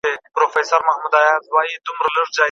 موږ د هدیرې لور ته روان شو.